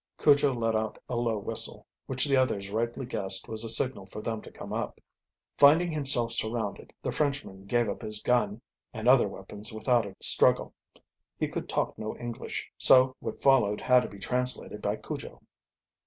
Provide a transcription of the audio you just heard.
Cujo let out a low whistle, which the others rightly guessed was a signal for them to come up. Finding himself surrounded, the Frenchman gave up his gun and other weapons without a struggle. He could talk no English, so what followed had to be translated by Cujo.